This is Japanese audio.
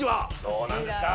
どうなんですか？